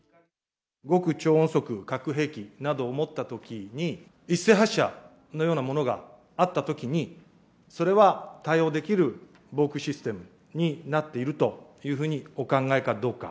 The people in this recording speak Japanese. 極超音速核兵器などを持ったときに、一斉発射のようなものがあったときに、それは対応できる防空システムになっているというふうにお考えかどうか。